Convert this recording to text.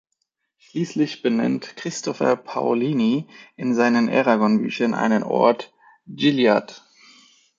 Schließlich benennt Christopher Paolini in seinen Eragon-Büchern einen Ort "Gil’ead.